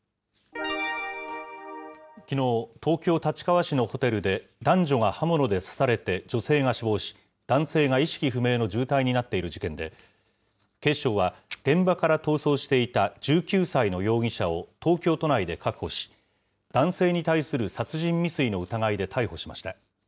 きのう、東京・立川市のホテルで、男女が刃物で刺されて女性が死亡し、男性が意識不明の重体になっている事件で、警視庁は、現場から逃走していた１９歳の容疑者を東京都内で確保し、男性に対する殺人未遂の疑いで逮捕しました。